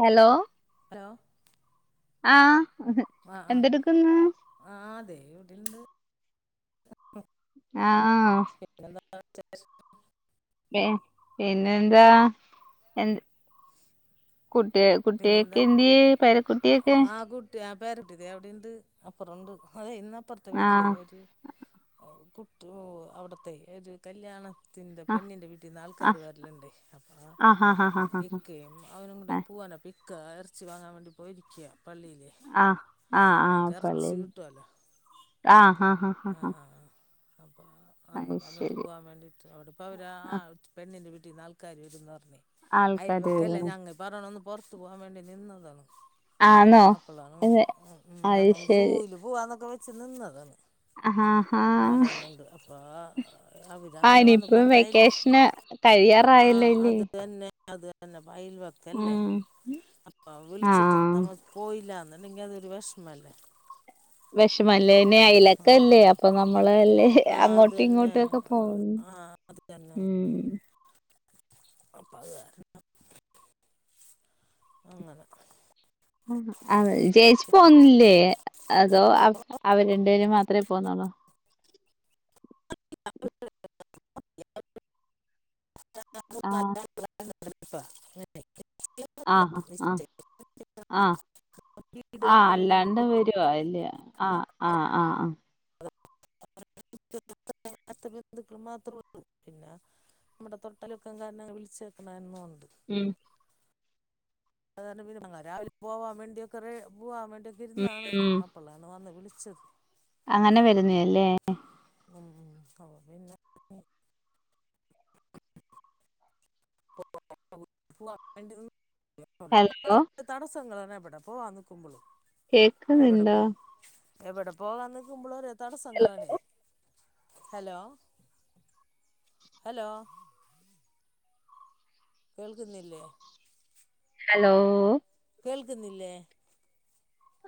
Hello ലോ ആഹ് എന്തെടുക്ക്ന്ന് വിടെണ്ട് ആഹ് [unintelligible] പെ പിന്നെന്താ എന്ത കുട്ട്യേ കുട്ടിയൊക്കെ പിന്നെന്താ എന്ത്യേ പേരകുട്ടിയോക്കെ പേരക്കുട്ടിയോ തേ അവിടേണ്ട് അപ്പറണ്ട് അതേയ് അപ്പറത്തെ വീട്ടിലെ ആഹ് ഏത് ഓ അവടത്തെ ഏത് കല്ല്യാണം ത്തിന്റെ ആഹ് പെണ്ണിന്റെ വീട്ടിൽ നിന്ന് ആൾക്കാര് വരില്ണ്ടേയ് അപ്പ ആഹ് ആഹ് ആഹ് ആഹ് ഇക്കയും അവനും കൂടെ ആഹ് പോ ഇകാ എറ്ച്ചി വാങ്ങാംവേണ്ടി പോയിര്ക്ക്യ ആഹ് ആഹ് ആഹ് ഇറച്ചി പള്ളീല് കിട്ടുമല്ലോ ആഹ് ആഹ് ആഹ് അന്ന് അത് വന്നിട്ട് ശരി പോകാൻ വേണ്ടിട്ട് അവിടെപ്പവരാ ആ പെണ്ണിന്റെ നാൾക്കാര് വരൂന്ന് പറഞ്ഞു ആൾക്കാര് അയൽവക്കല്ലേ വരുന്നു ഞങ്ങ പറയണ പോർത്ത് പോകാൻ വേണ്ടി നിന്നതാ ആന്നോ അപ്പളാണ് അതെ അത് ഞങ്ങള് സൂയില് പോവാന്നൊക്കെ വെ ച്ച് നിന്നത് ആഹാഹാ അപ്പ ആ അവരങ്ങനെ വന്ന് ഇനീപ്പ പറഞ്ഞിട്ടയൽ വെക്കേഷന് ആ കഴിയാറായല്ലേ ഇല്ലേ അത് തന്നെ അത് ത ഐൽവക്കല്ലേ അപ്പൊ വിളിച്ചിട്ട് ആഹ് നമ്മ പോയിലന്ന് അല്ലെങ്കി അതൊരു വെഷ്മല്ലേ വിഷമല്ലേന്നെ അലേക്കല്ലേ ആഹ് അപ്പൊ നമ്മളല്ലേ ആഹ് അത് അങ്ങോട്ടും തന്നെ ഇങ്ങോട്ടുക്കെ പോൺ ആഹ് അത് മ്മ് അപ്പ അത് കാരണം അങ്ങനെ ആ ചേച്ചി പോന്നില്ലേ അവരണ്ടേരും മാ ത്രെ പോന്നളോ [unintelligible] ആ [unintelligible] [unintelligible] ആ ചെയ്യണമില്ല. ആഹ് ആ നിശ്ചയം ആ വീട് അ കാണാൻ വേണ്ടി അങ്ങട് അല്ലാണ്ട് പോയി. വരോ അയ്ല് ആ ആ ആ ആ [unintelligible] ബന്ധുക്കൾ മാത്രള്ളൂ പിന്നെ നമ്മുടെ തൊട്ടലലൊക്കക്കാരനെ വിളിച്ചേക്കണ എന്നൊണ്ട് ഉം അത്കാരണം പിന്നെ രാവിലെ പോവാൻ വേണ്ടിയൊക്കെ റെ പോവാൻ വേണ്ടി ഉം ഇത്ര്ന്നാണ് ഉം അപ്പളാണ് വന്ന് വിളി ച്ചത് അങ്ങനെ വരുന്നാ അല്ലേ ഉം [unintelligible] [unintelligible] ഹലോ [unintelligible] തടസ്സങ്ങള് പറഞ്ഞാ വിടെ പോവനിക്കുമ്പോളും കേക്കുന്നുണ്ടാ എവിടെ പോകാനിക്കോമ്പോളുരെത് തടസങ്ങളാണേ ഹലോ ഹലോ കേൾക്കുന്നില്ലേ ഹലോ കേൾക്കുന്നില്ലേ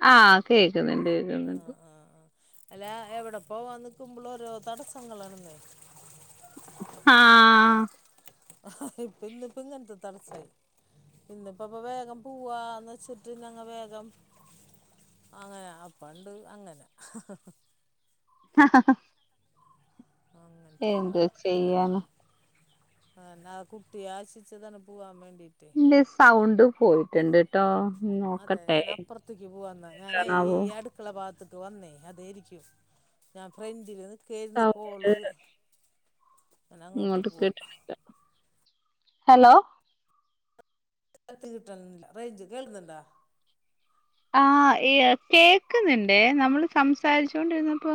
ആ കേക്കുന്നുണ്ട് കേക്കുന്നുണ്ട് ആഹ് ആഹ് അല്ല എവിടെപ്പോവനിക്കോമ്പോളും ഓരോ തടസ്സങ്ങളാണെന്നേ ആ ഇപ്പ ഇന്നിപ്പം ഇങ്ങനത്തെ തടസ്സായി ഇന്നിപ്പപ്പൊ വേഗം പോവാന്ന് വച്ചിട്ട് ഞങ്ങ വേഗം അങ്ങനെ അപ്പണ്ട് അങ്ങനെ [unintelligible] എന്ത് ചെയ്യാന അന്ന ആ കുട്ടി ആശിച്ചതാണ് പൂവാൻ വേണ്ടി ഇന്റെ സൗണ്ട് പോയി ടിൻടിട്ടോ അതെ ഞാൻ അപ്പുറത്തേക്ക് പോവാന്ന് ഞാനേ ഈ എന്താണാവോ അടുക്കള ഭാഗ ക്ക് വന്നേ അതെരിക്കും ഞാൻ ഫ്രണ്ടില് കേരുന്ന് സൗണ്ട് കോള് ഞാൻ അങ്ങോട്ട് ഇങ്ങോട്ട് പോവാ കേട്ട്നില ഹലോ ത് കിട്ടിനില്ല റേഞ്ച് കേൾക്കുന്നുണ്ടാ ആ എ കേക്കുന്നുണ്ടേ നമ്മള് സംസാരിച്ചോണ്ടിരുന്നപ്പോ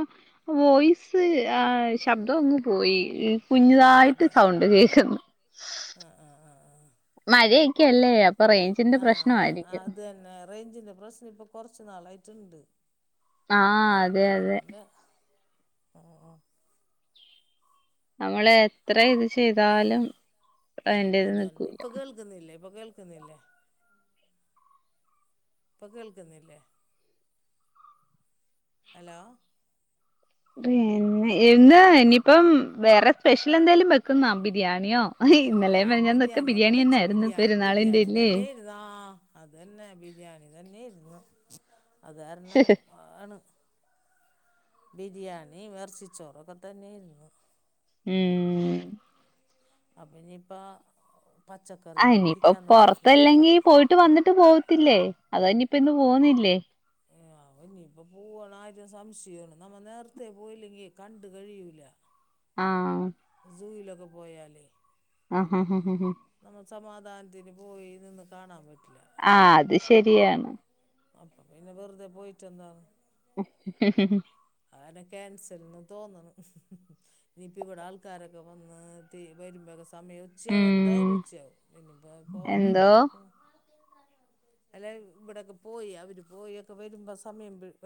വോയിസ് ആ ശബ്ദം ഒന്ന് പോയി കുഞ്ഞുതായിട്ട് അതെ സൗണ്ട് കേക്കുന്നു ആ ആ ആ മഴയെക്കെയല്ലേ അപ് റേഞ്ചിന്റെ ആ ആ ആ ആ പ്രശ്നമായിയിരിക്കും അത് തന്നെ റേഞ്ചിൻ്റെ പ്രശ്നം ഇപ്പോൾ കുറച്ച് നാളായിട്ട്ണ്ട് ആ അതെ അതെ ആ നമ്മളെ എത്ര ഇത് ചെയ്താലും അതിൻ്റേത് നിൽക്കൂല്ല ഇപ്പം കേൾക്കുന്നില്ലേ ഇപ്പൊ കേൾക്ക്ന്നില്ലേ ഹലോ പിന്നെ ഇന്ന് ഇനിയിപ്പം വേറെ സ്പെഷ്യൽ എന്തേലും വെക്കുന്നോ ബിരിയാണിയോ ആ ഇന്നലെയും മിനിഞ്ഞാന്നൊക്കെ ബിരിയാണി ഒക്കെ തന്നെ വെച്ച് ആയിരുന്നു ബിരിയാണി പെരുന്നാളിന്റെ ബിരിയാണി ഇല്ലേ തന്നെയര്ന്നാ ആ അതന്നെ ബിരിയാണി തന്നെയരുന്നു [unintelligible] അത് കാരണം ആണ് ബിരിയാണി എറച്ചിച്ചോറൊക്കെ തന്നെയായ്രുന്നു ഈ... അപ്പൊ ഇനിയിപ്പ ആ ഇനിയിപ്പ പൊറത്തല്ലെങ്കി പോയിട്ട് വന്നിട്ട് പോ ത്തില്ലേ അതോ നിപ്പോ ഇന്ന് പോവുന്നില്ലേ ആവോ ഇനിയിപ്പ പോവാണ കാര്യം സംശയാണ് നമ്മ നേരത്തെ പോയില്ലെങ്കി കണ്ട കഴിയൂല ആ സൂയിലൊക്കെ പോയാലെ ഹാ.. ഹാ.. ഹാ.. ഹാ.. സമാധാനത്തിന് പോയി നിന്ന് കാണാൻ പറ്റും ആ അത് ശരിയാണ് അപ്പൊ പിന്നെ വെറുതെ പോയിട്ട് ന്താണ് മം.. ഹിഹി ഹി [unintelligible] ക്യാൻസൽന്ന് തോന്ന്ണ് ഇനിപ്പ ഇവിടെ ആൾക്കാരൊക്കെ വന്ന് സമയം ഉച്ചയാവും ഉം എന്തായാലും ഉച്ചയാവും പിന്നപ്പോ പോവല് എവിട എന്തോ നടക്കണ് അല്ല ഇവിടൊക്കെ പോയി അവര് പോയൊക്കെ വരുമ്പോ സമയം